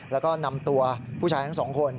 แล้วก็นำตัวผู้ชายทั้งสองคน